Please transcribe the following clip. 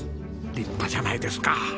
立派じゃないですか！